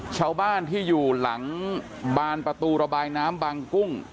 ชาวบ้านที่อยู่หลังบานประตูระบายน้ำบางกุ้ง